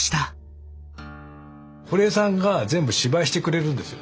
堀江さんが全部芝居してくれるんですよ。